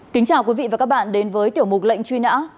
kính chào quý vị và các bạn đến với tiểu mục lệnh truy nã